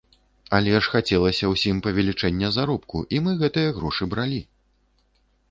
Але ж хацелася ўсім павелічэння заробку і мы гэтыя грошы бралі!